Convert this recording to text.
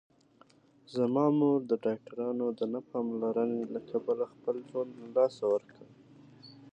زما مور د ډاکټرانو د نه پاملرنې له کبله خپل ژوند له لاسه ورکړ